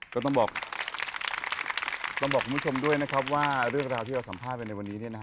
ก็ต้องบอกต้องบอกคุณผู้ชมด้วยนะครับว่าเรื่องราวที่เราสัมภาษณ์ไปในวันนี้